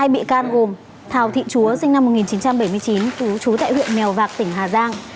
hai bị can gồm thào thị chúa sinh năm một nghìn chín trăm bảy mươi chín trú tại huyện mèo vạc tỉnh hà giang